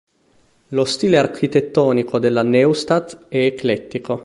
Lo stile architettonico della Neustadt è eclettico.